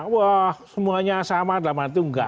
wah semuanya sama dalam arti enggak